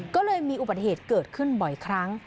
ก็เลยมีอุบัติเหตุเกิดขึ้นบ่อยครั้ง